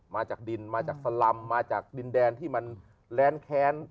มาจากดินมาจากสลำมาจากดินแดนที่มันแร้นแค้น